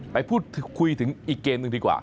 ไปพูดคุยถึงอีกเกมหนึ่งดีกว่า